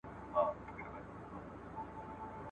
کونډې به د میراث په څیر اخیستل کیدې.